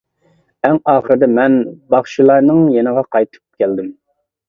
ئەڭ ئاخىردا مەن باخشىلارنىڭ يېنىغا قايتىپ كەلدىم.